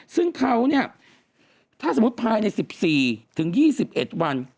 ซึ่งเขาเนี่ยถ้าสมมุติภายใน๑๔ถึง๒๑วัน